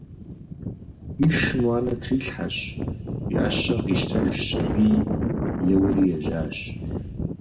И шым уанэ трилъхьэщ, и ӏэщэр къищтэжщ аби, еуэри ежьэжащ.